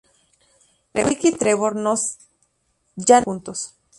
Vikki y Trevor ya no siguen juntos.